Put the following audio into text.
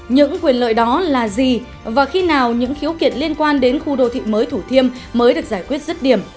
những quyền lợi đó là gì và khi nào những khiếu kiện liên quan đến khu đô thị mới thủ thiêm mới được giải quyết rứt điểm